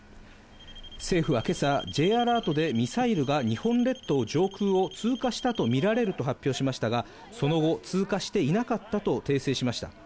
政府はけさ、Ｊアラートでミサイルが日本列島上空を通過したと見られると発表しましたが、その後、通過していなかったと訂正しました。